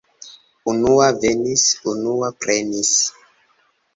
Unua venis, unua prenis.